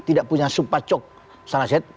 tidak punya supacok saraset